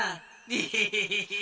エヘヘヘヘヘッ。